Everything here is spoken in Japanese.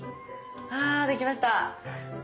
あできました。